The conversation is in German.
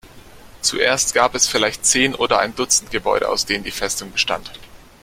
Zuerst gab es vielleicht zehn oder ein Dutzend Gebäude, aus denen die Festung bestand.